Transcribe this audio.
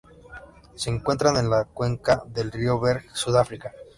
Se encuentran en la cuenca del río Berg Sudáfrica.